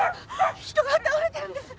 人が倒れてるんです！